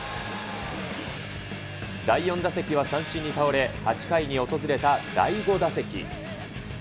第４打席は三振に倒れ、８回に訪れた第５打席。